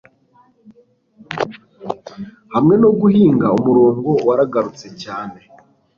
Hamwe no guhinga umurongo waragutse cyane